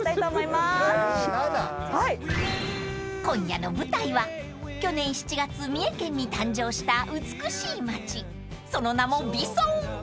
［今夜の舞台は去年７月三重県に誕生した美しい街その名もＶＩＳＯＮ］